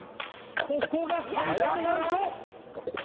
ここが最大の難所！